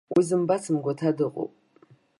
Уи зымбац мгәаҭа дыҟоуп.